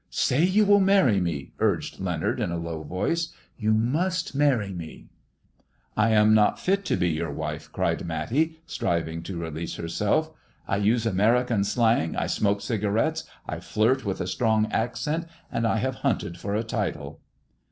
" Say you will marry me !" urged Leonard, in a low 7oice. " You must marry me !" "I am not fit to be your wife," cried Matty, striving to release herself. " I use American slang, I smoke cigarettes, [ flirt with a strong accent, and I have hunted for a title."